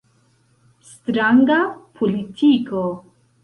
Stranga politiko.